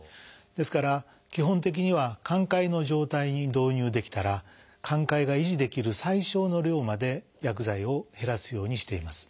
ですから基本的には寛解の状態に導入できたら寛解が維持できる最少の量まで薬剤を減らすようにしています。